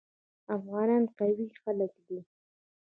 افغانان قوي خلک دي.